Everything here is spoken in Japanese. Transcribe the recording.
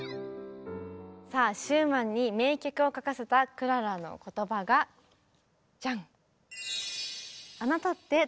さあシューマンに名曲を書かせたクララの言葉がジャン。